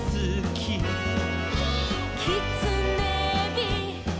「きつねび」「」